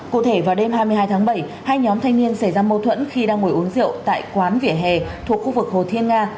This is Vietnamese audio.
cụ thể vào đêm hai mươi hai tháng bảy hai nhóm thanh niên xảy ra mâu thuẫn khi đang ngồi uống rượu tại quán vỉa hè thuộc khu vực hồ thiên nga